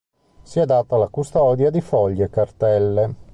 Si adatta alla custodia di fogli e cartelle.